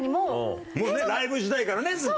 もうねライブ時代からねずっと。